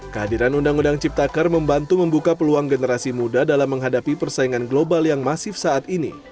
kehadiran undang undang ciptaker membantu membuka peluang generasi muda dalam menghadapi persaingan global yang masif saat ini